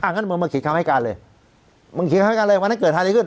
งั้นมึงมาเขียนคำให้การเลยมึงเขียนคำให้การเลยวันนั้นเกิดอะไรขึ้น